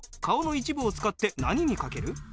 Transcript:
顔の一部を使って何に掛ける？